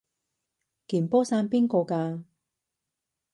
件波衫邊個㗎？